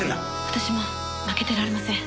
「私も負けてられません」